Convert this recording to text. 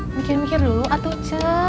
mikir mikir dulu atuh ce